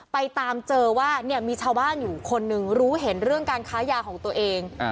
ไปตามเจอว่าเนี่ยมีชาวบ้านอยู่คนหนึ่งรู้เห็นเรื่องการค้ายาของตัวเอง